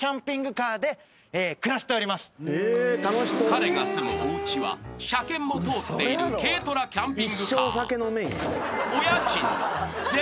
［彼が住むおうちは車検も通っている軽トラキャンピングカー］